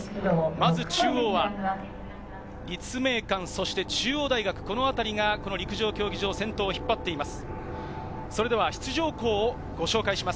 まず中央は、立命館、そして中央大学、このあたりが陸上競技場の先頭を引っ張っています。